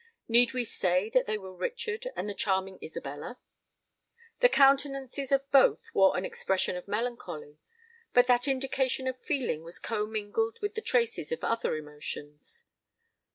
Need we say that they were Richard and the charming Isabella? The countenances of both wore an expression of melancholy; but that indication of feeling was commingled with the traces of other emotions.